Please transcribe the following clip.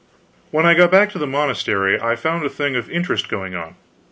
When I got back to the monastery, I found a thing of interest going on.